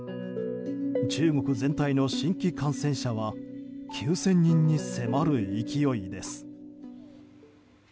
中国全体の新規感染者は９０００人に迫る勢いです。